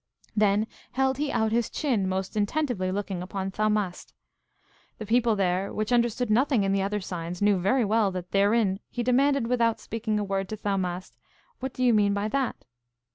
Then held he out his chin, most intentively looking upon Thaumast. The people there, which understood nothing in the other signs, knew very well that therein he demanded, without speaking a word to Thaumast, What do you mean by that?